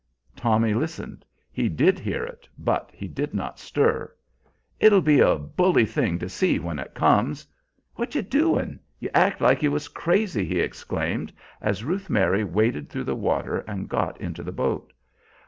Tommy listened. He did hear it, but he did not stir. "It'll be a bully thing to see when it comes. What you doin'? You act like you was crazy," he exclaimed, as Ruth Mary waded through the water and got into the boat.